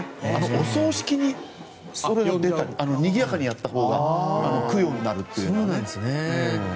お葬式をにぎやかにやったほうが供養になるっていうのがね。